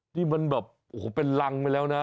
นี่มันแบบโอ้โหเป็นรังไปแล้วนะ